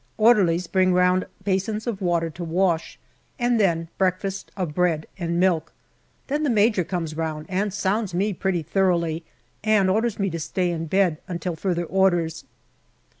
Orderlies bring around basins of water to wash, and then breakfast of bread and milk. Then the Major comes round and sounds me pretty thoroughly, and orders me to stay in bed until further orders.